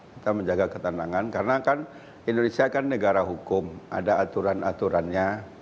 kita menjaga ketenangan karena kan indonesia kan negara hukum ada aturan aturannya